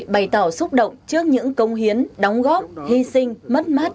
bày tỏ xúc động trước những công hiến đóng góp hy sinh mất mát